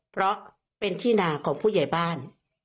เพราะเป็นที่นาของผู้ใหญ่บ้าน